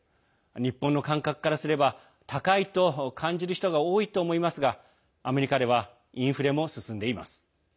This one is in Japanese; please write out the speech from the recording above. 日本の感覚からすれば高いと感じる人が多いと思いますが、アメリカではインフレも進んでいます。